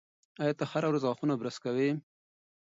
ایا ته هره ورځ غاښونه برس کوې؟